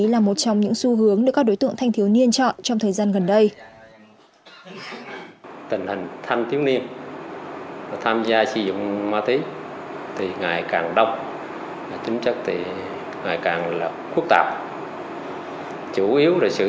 là một trong những xu hướng được các đối tượng thanh thiếu niên chọn trong thời gian gần đây